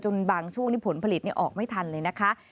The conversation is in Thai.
จนบางช่วงผลผลิตนี่ออกไม่ทันเลยนะคะ